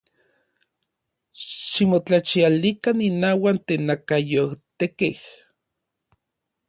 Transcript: ¡Ximotlachialikan innauak tenakayotekkej!